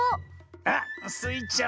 あっスイちゃん